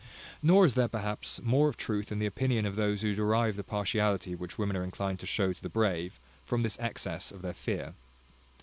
Nor is there, perhaps, more of truth in the opinion of those who derive the partiality which women are inclined to show to the brave, from this excess of their fear.